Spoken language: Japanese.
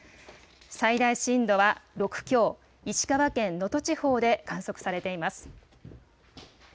最大震度は６強、石川県能登地方で観測されています。